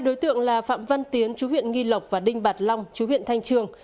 hai đối tượng là phạm văn tiến chú huyện nghi lộc và đinh bạc long chú huyện thanh trường